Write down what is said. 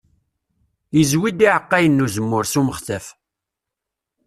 Izewwi-d iɛeqqayen n uzemmur s umextaf.